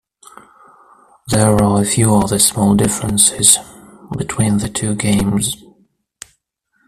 There are a few other small differences between the two games.